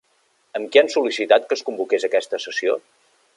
A qui han sol·licitat que es convoqués aquesta sessió?